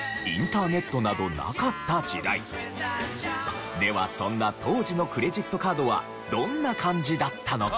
もちろんではそんな当時のクレジットカードはどんな感じだったのか？